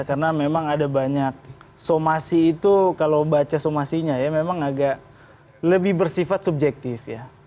karena memang ada banyak somasi itu kalau baca somasinya ya memang agak lebih bersifat subjektif ya